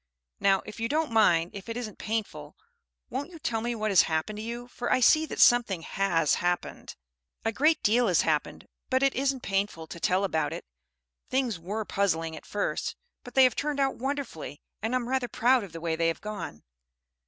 Now, if you don't mind, if it isn't painful, won't you tell me what has happened to you, for I see that something has happened." "A great deal has happened, but it isn't painful to tell about it. Things were puzzling at first, but they have turned out wonderfully; and I'm rather proud of the way they have gone."